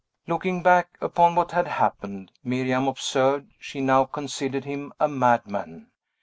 Looking back upon what had happened, Miriam observed, she now considered him a madman.